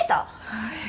はい。